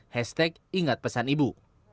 hashtag ingat pesan ibu